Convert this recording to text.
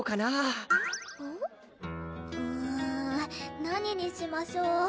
うん何にしましょう。